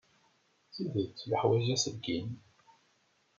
D tidet yeḥwaj aselkim.